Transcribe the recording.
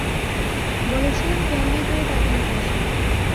বলেছিলাম কেউ না কেউ তাকে নিতে আসবে।